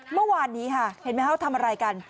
เมื่อวานนี้ค่ะเห็นไหมฮะเขาทำอะไรกัน